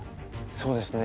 そうですね。